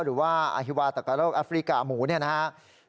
หรือว่าอาฮิวาตกะโลกแอฟริกาหมูเนี่ยนะครับ